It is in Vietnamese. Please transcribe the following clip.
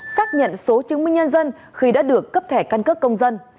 xác nhận số chứng minh nhân dân khi đã được cấp thẻ căn cước công dân